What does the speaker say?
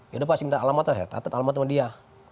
yaudah pak saya minta alamat saya tata alamat sama dia